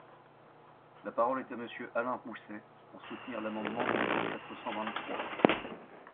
La parole est à Monsieur Alain Rousset, pour soutenir l’amendement numéro quatre cent quatre-vingt-trois.